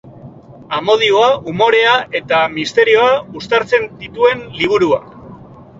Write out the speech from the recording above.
Amodioa, umorea eta misterioa uztartzen dituen liburua.